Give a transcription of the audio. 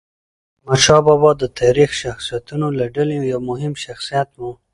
احمدشاه بابا د تاریخي شخصیتونو له ډلې یو مهم شخصیت و.